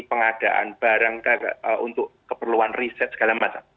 pengadaan barang untuk keperluan riset segala macam